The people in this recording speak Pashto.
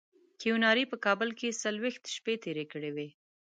کیوناري په کابل کې څلوېښت شپې تېرې کړې وې.